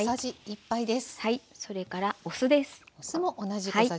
それからお酢です。